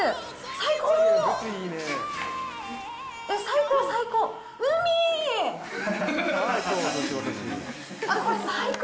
最高、最高。